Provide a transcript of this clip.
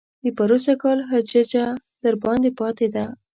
د پروسږ کال ججه درباندې پاتې ده.